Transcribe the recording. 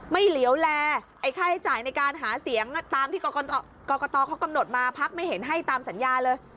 เหลียวแลไอ้ค่าใช้จ่ายในการหาเสียงตามที่กรกตเขากำหนดมาพักไม่เห็นให้ตามสัญญาเลย